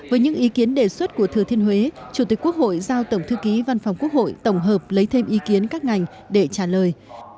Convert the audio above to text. với những ý kiến đề xuất của thừa thiên huế chủ tịch quốc hội giao tổng thư ký văn phòng quốc hội tổng hợp lấy thêm ý kiến các ngành để trả lời